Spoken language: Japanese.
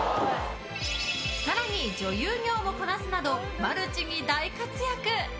更に、女優業もこなすなどマルチに大活躍。